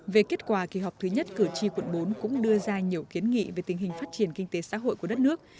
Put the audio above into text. về kết quả kỳ họp thứ nhất cử tri quận bốn cũng đưa ra nhiều kiến nghị về tình hình phát triển kinh tế xã hội của đất nước